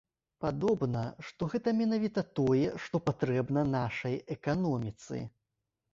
Падобна, што гэта менавіта тое, што патрэбна нашай эканоміцы.